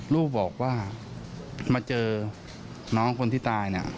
ลูกบอกว่ามาเจอน้องคนที่ตายเนี่ย